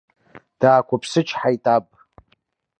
Даақәыԥсычҳаит аб.